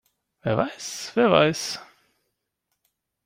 Wer weiß, wer weiß?